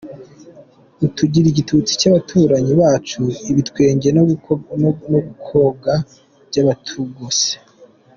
Utugira igitutsi cy’abaturanyi bacu, Ibitwenge no gukobwa by’abatugose.